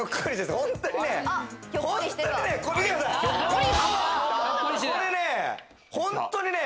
これね本当にね。